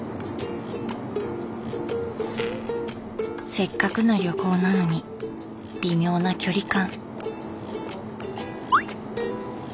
せっかくの旅行なのに微妙な距離感。